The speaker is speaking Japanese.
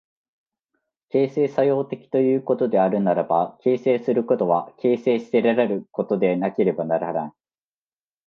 形成作用的ということであるならば、形成することは形成せられることでなければならない。